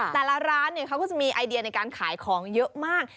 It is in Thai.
แต่ละร้านเขาก็จะมีไอเดียในการขายของเยอะมาก